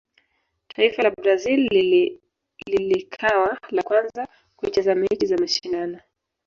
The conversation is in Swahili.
taifa la brazil lilikawa la kwanza kucheza mechi za mashindano